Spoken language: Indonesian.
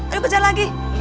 ayo kerja lagi